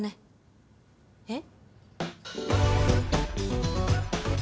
えっ？